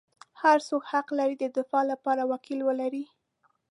هر څوک حق لري د دفاع لپاره وکیل ولري.